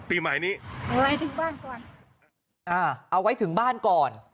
เอาไว้ถึงบ้านก่อน